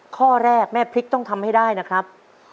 ข้อแรกแม่พริกต้องทำให้ได้นะครับ